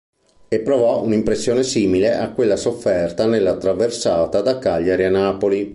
E provò un'impressione simile a quella sofferta nella traversata da Cagliari a Napoli.